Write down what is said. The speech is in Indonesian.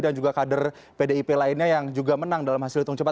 dan juga kader pdip lainnya yang juga menang dalam hasil hitung cepat